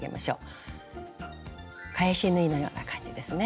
返し縫いのような感じですね。